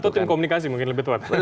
atau tim komunikasi mungkin lebih tepat